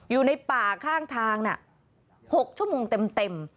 อยู่ในป่าข้างทาง๖ชั่วโมงเต็ม